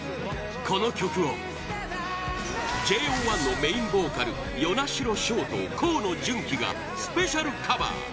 この曲をＪＯ１のメインボーカル與那城奨と河野純喜がスペシャルカバー